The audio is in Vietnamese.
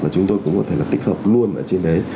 chúng tôi cũng có thể là tích hợp luôn ở trên đấy